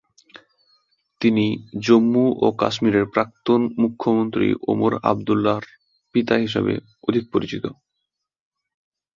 তিনি জম্মু ও কাশ্মীরের প্রাক্তন মুখ্যমন্ত্রী ওমর আবদুল্লাহর পিতা হিসেবেও অধিক পরিচিত।